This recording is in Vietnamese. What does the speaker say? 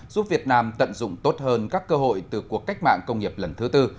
giúp việt nam tận dụng tốt hơn các cơ hội từ cuộc cách mạng công nghiệp lần thứ tư